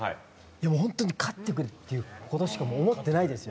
本当に、勝ってくれ！としか思ってないですよ。